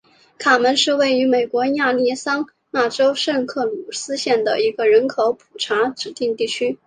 卡门是位于美国亚利桑那州圣克鲁斯县的一个人口普查指定地区。